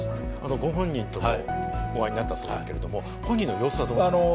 ご本人ともお会いになったそうですけれども本人の様子はどうだったんですか？